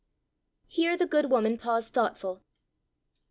Here the good woman paused, thoughtful.